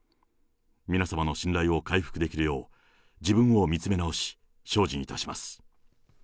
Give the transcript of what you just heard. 皆様の信頼を回復できるよう、自分を見つめ直し、精進いたします。